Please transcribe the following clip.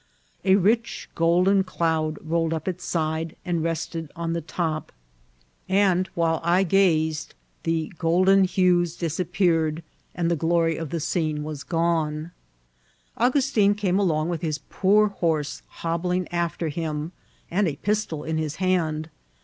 A rich gold en cloud rolled up its side and rested on the top, and 190 IKCIDXKT0 OF TKATBL. while I gazed the golden hoes diMippeared, and the glory of the scene was gone. Augustin came along with his poor horse hobbling after him, and a pistol in his hand.